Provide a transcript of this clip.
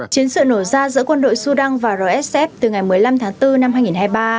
chiến sự nổ ra giữa quân đội sudan và rsf từ ngày một mươi năm tháng bốn năm hai nghìn hai mươi ba